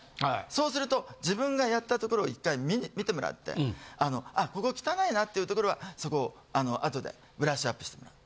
そうすると自分がやったところを１回見てもらってあのあここ汚いなっていうところはそこをあとでブラッシュアップしてもらう。